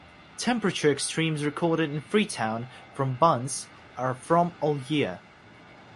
Temperature extremes recorded in Freetown from Bunce are from all year.